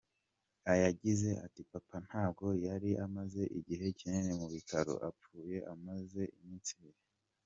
Yagize ati “Papa ntabwo yari amaze igihe kinini mu bitaro, apfuye amazemo iminsi ibiri.